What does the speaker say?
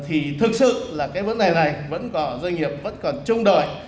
thì thực sự là cái vấn đề này vẫn còn doanh nghiệp vẫn còn chung đổi